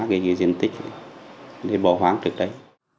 cái diện tích để bỏ hoang được đấy